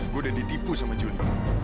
gue udah ditipu sama juni